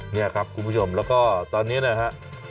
นี่ครับคุณผู้ชมแล้วก็ตอนนี้นะฮะ